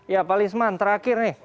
ya pak lisman terakhir nih